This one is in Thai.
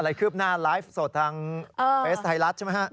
คืบหน้าไลฟ์สดทางเฟสไทยรัฐใช่ไหมฮะ